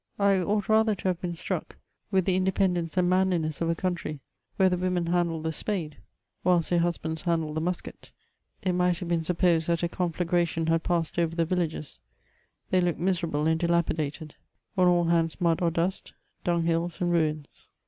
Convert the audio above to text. I ought rather to have bc^n struck with the independence and manliness of a countiy where the women handled the spade, whilst their husbands handled the musket It might have been supposed that a conflagration had passed over the villages ; they looked miserable and dilapidated ; on all hands mud or dust, dunghills and ruins.